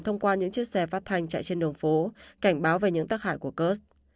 thông qua những chiếc xe phát thanh chạy trên đường phố cảnh báo về những tắc hại của cớt